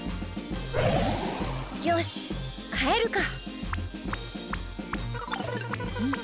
よしかえるか。